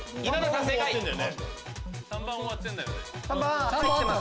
３番終わってんだよね。